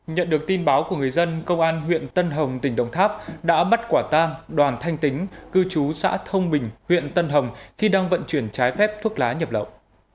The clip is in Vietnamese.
nhận được tin báo của người dân công an huyện tân hồng tỉnh đồng tháp đã bắt quả tang đoàn thanh tính cư trú xã thông bình huyện tân hồng khi đang vận chuyển trái phép thuốc lá nhập lậu